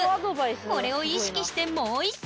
これを意識してもう一戦！